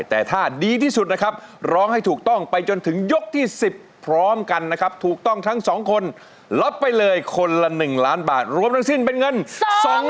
แต่ถ้าดีที่สุดนะครับร้องให้ถูกต้องไปจนถึงยกที่๑๐พร้อมกันนะครับถูกต้องทั้ง๒คนรับไปเลยคนละ๑ล้านบาทรวมทั้งสิ้นเป็นเงิน